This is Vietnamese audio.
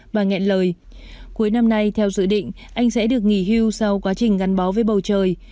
bà nghẹn lời cuối năm nay theo dự định anh sẽ được nghỉ hưu sau quá trình gắn bó với bầu trời